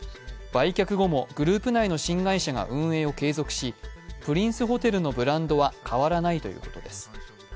売却後もグループ内の新会社が経営を継続し、プリンスホテルのブランドは変わらないということです。